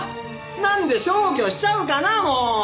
なんで消去しちゃうかなもう！